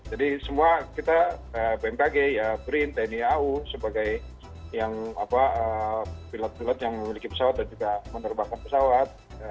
jadi semua kita bmkg brin tni au sebagai pilot pilot yang memiliki pesawat dan juga menerbangkan pesawat